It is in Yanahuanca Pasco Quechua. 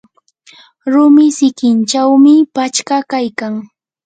rumi sikinchawmi pachka kaykan.